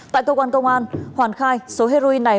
tại cơ quan công an hoàn khai số heroin này